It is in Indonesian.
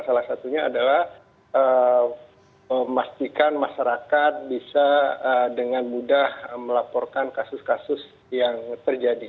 salah satunya adalah memastikan masyarakat bisa dengan mudah melaporkan kasus kasus yang terjadi